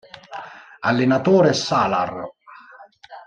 Allenatore Salar.